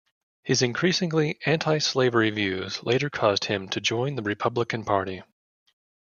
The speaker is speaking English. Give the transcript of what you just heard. His increasingly antislavery views later caused him to join the Republican Party.